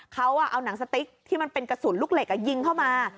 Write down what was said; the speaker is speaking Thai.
เขาเอาหนังสติ๊กที่มันเป็นกระสุนลูกเหล็กยิงเข้ามา